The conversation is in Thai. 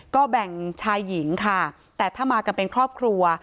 ก็แบ่งชายหญิงค่ะแต่ถ้ามากันเป็นครอบครัว